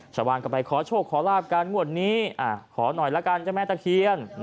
ชาวบ้านก็ไปขอโชคขอลาบกันงวดนี้ขอหน่อยละกันเจ้าแม่ตะเคียน